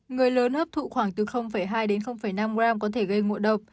người lớn hấp thụ khoảng từ hai đến năm g có thể gây ngộ độc